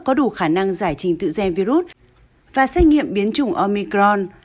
có đủ khả năng giải trình tự gen virus và xét nghiệm biến chủng omicron